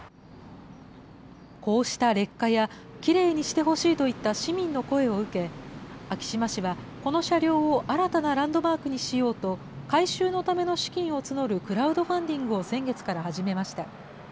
こうした劣化や、きれいにしてほしいといった市民の声を受け、昭島市は、この車両を新たなランドマークにしようと、改修のための資金を募るクラウドファンディングを先月から始めました。